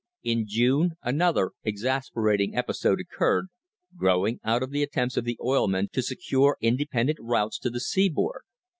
"* In June another exasperating episode occurred, growing out of the attempts of the oil men to secure independent routes to the seaboard.